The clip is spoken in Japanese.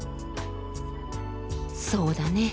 そうだね。